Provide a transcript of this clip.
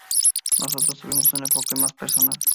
Nosotros tuvimos un enfoque más personal".